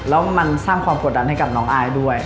แล้วมันสร้างความกดดันให้กับน้องอายด้วย